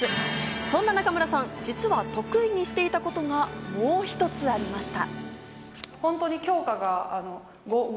そんな中村さん、実は得意にしていたことがもう一つありました。